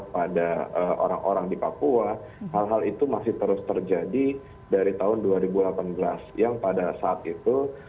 pada orang orang di papua hal hal itu masih terus terjadi dari tahun dua ribu delapan belas yang pada saat itu